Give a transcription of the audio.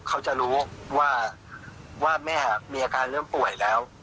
เขาจะรู้ว่าแม่มีอาการเริ่มป่วยแล้ว